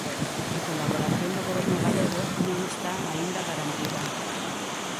A colaboración do Goberno galego non está aínda garantida.